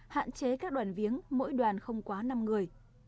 hạn chế các đoàn viếng mỗi đoàn không quá năm người